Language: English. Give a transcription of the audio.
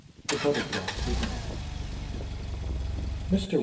THE BUTTERFLY'S REVENGE. Mr.